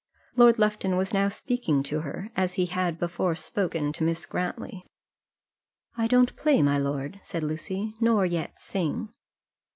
Lord Lufton was now speaking to her as he had before spoken to Miss Grantly. "I don't play, my lord," said Lucy, "nor yet sing."